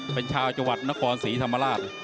เป็นชาวจัวรรดิ์นครศรีธรรมราช